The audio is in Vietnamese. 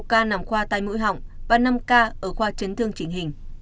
một ca nằm khoa tai mũi họng và năm ca ở khoa chấn thương chỉnh hình